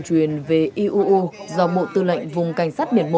truyền về iuu do bộ tư lệnh vùng cảnh sát biển một